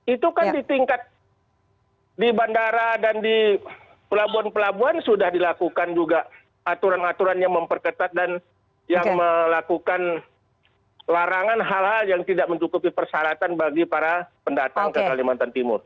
itu kan di tingkat di bandara dan di pelabuhan pelabuhan sudah dilakukan juga aturan aturan yang memperketat dan yang melakukan larangan hal hal yang tidak mencukupi persyaratan bagi para pendatang ke kalimantan timur